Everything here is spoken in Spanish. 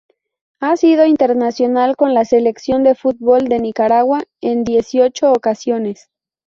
Ha sido internacional con la Selección de fútbol de Nicaragua en dieciocho ocasiones.